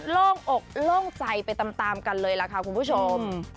โล่งอกโล่งใจไปตามกันเลยล่ะค่ะคุณผู้ชม